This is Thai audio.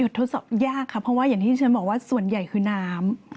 ทดสอบยากค่ะเพราะว่าอย่างที่ฉันบอกว่าส่วนใหญ่คือน้ำ